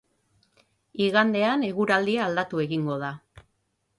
Igandean eguraldia aldatu egingo da.